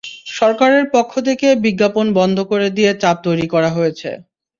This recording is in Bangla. সরকারের পক্ষ থেকে বিজ্ঞাপন বন্ধ করে দিয়ে চাপ তৈরি করা হয়েছে।